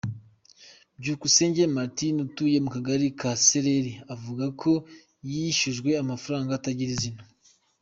Byukusenge Martin, atuye mu Kagari ka Sereri, avuga ko yishyujwe amafaranga atagira izina.